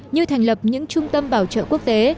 như thành lập những trung tâm bảo trợ quốc tế